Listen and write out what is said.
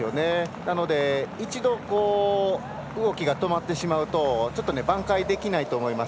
なので一度動きが止まってしまうと挽回できないと思います。